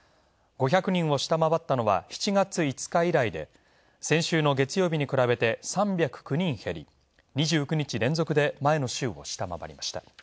５００人を下回ったのは７月５日以来で、先週の月曜日に比べて３０９人減り、２９日連続で前の週を下回りました。